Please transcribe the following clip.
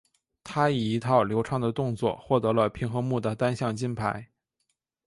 她以一套流畅的动作获得了平衡木的单项金牌。